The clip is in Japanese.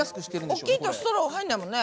大きいとストロー入んないもんね。